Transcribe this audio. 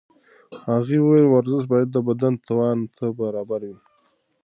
هغې وویل ورزش باید د بدن توان ته برابر وي.